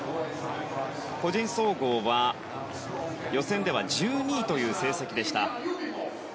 個人総合は、予選では１２位という成績でした。